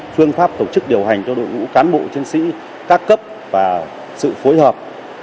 phương pháp tổ chức điều hành cho đội ngũ cán bộ chiến sĩ các cấp và sự phối hợp